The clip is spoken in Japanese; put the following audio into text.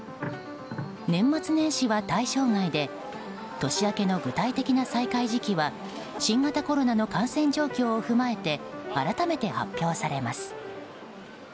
年末年始は対象外で年明けの具体的な再開時期は新型コロナの感染状況を踏まえて改めて発表されます。